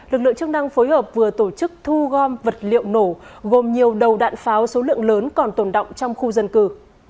lực lượng chức năng phối hợp vừa tổ chức thu gom vật liệu nổ gồm nhiều đầu đạn pháo số lượng lớn còn tồn động trong khu dân cư